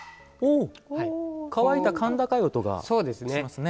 乾いた甲高い音がしますね。